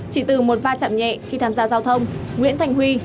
chỉ từ một va chạm nhẹ khi tham gia giao thông nguyễn thành huy